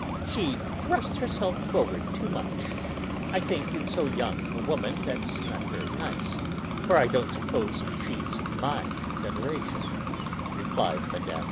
"She thrusts herself forward too much; I think, in so young a woman, that's not very nice for I don't suppose she's my generation," replied Mme.